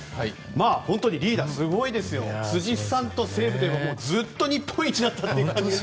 本当にリーダー、すごいですよ辻さんと西武と言えばずっと日本一になったという。